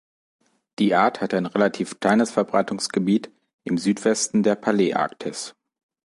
Die Art hat ein relativ kleines Verbreitungsgebiet im Südwesten der Paläarktis.